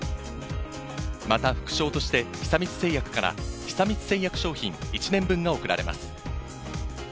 また副賞として、久光製薬から久光製薬商品１年分が贈られます。